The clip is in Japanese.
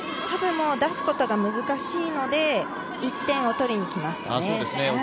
出すことが難しいので１点を取りに来ましたね。